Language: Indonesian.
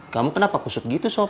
kamu kenapa kusut gitu sok